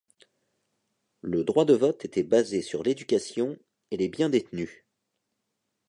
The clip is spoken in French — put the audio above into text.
Le droit de vote était basé sur l'éducation et les biens détenus.